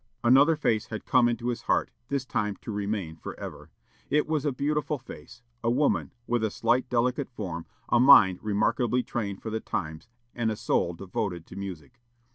Another face had come into his heart, this time to remain forever. It was a beautiful face; a woman, with a slight, delicate form, a mind remarkably trained for the times, and a soul devoted to music.